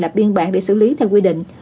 lập biên bản để xử lý theo quy định